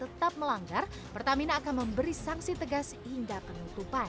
tetap melanggar pertamina akan memberi sanksi tegas hingga penutupan